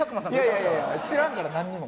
いやいや知らんから何にも。